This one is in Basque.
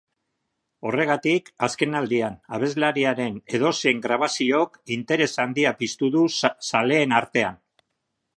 Horregatik, azkenaldian abeslariaren edozein grabaziok interes handia piztu du zaleen artean.